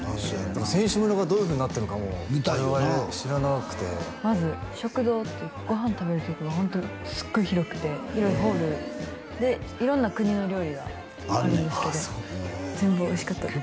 選手村がどういうふうになってるのかも我々知らなくてまず食堂というかご飯食べる所がホントすっごい広くて広いホールで色んな国の料理があるんですけど全部おいしかったです